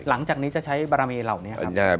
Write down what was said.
หลังจากนี้จะใช้บารมีเหล่านี้